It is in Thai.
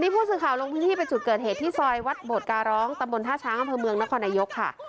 ผู้สื่อข่าวลงพื้นที่ไปจุดเกิดเหตุที่ซอยวัดโบดการร้องตำบลท่าช้างอำเภอเมืองนครนายกค่ะ